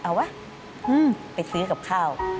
เอาวะไปซื้อกับข้าว